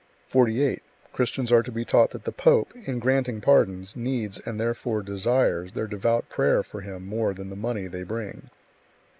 48. Christians are to be taught that the pope, in granting pardons, needs, and therefore desires, their devout prayer for him more than the money they bring.